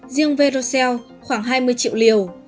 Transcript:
riêng verocell khoảng hai mươi triệu liều